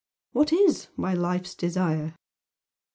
What IS my life's desire?"